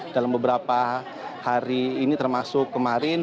dalam beberapa hari ini termasuk kemarin